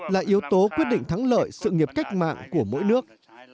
là yếu tố quyết định thắng lợi sự nghiệp cách mạng của mỗi nước